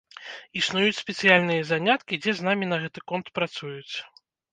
Існуюць спецыяльныя заняткі, дзе з намі на гэты конт працуюць.